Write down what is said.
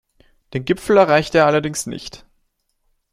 Den Gipfel erreichte er allerdings nicht.